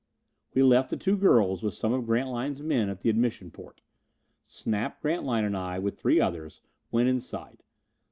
We left the two girls with some of Grantline's men at the admission port. Snap, Grantline and I, with three others, went inside.